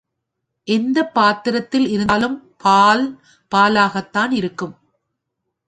எந்தப் பாத்திரத்தில் இருந்தாலும் பால் பாலாகத்தான் இருக்கும்.